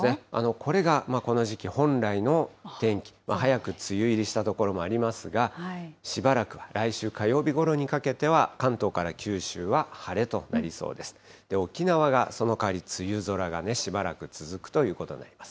これがこの時期本来の天気、早く梅雨入りした所もありますが、しばらくは、来週火曜日ごろにかけては、関東から九州は晴れとなりそうです。